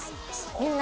みんな、